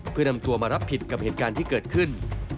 เพื่อนำตัวมารับผิดกับเหตุการณ์ที่เกิดขึ้น